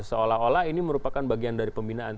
seolah olah ini merupakan bagian dari pembinaan